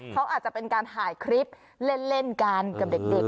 เขาอาจจะเป็นการถ่ายคลิปเล่นกันกับเด็ก